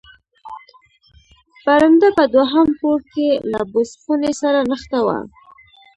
برنډه په دوهم پوړ کې له بوس خونې سره نښته وه.